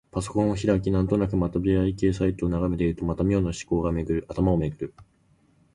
パソコンを開き、なんとなくまた出会い系サイトを眺めているとまた、妙な思考が頭をめぐる。